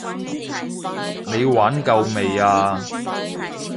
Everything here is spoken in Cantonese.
你玩夠未啊？